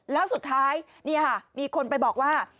แล้วสุดท้ายนี่ค่ะมีคนไปบอกว่า